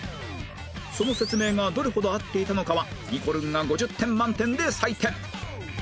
その説明がどれほど合っていたのかはにこるんが５０点満点で採点